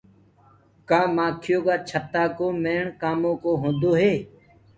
ڪآ مآکيو ڪآ ڇتآ ڪو ميڻ ڪآمو ڪو هوندو هي۔